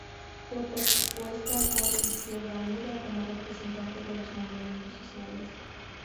Fue propuesta por Izquierda Unida como representante de los movimientos sociales.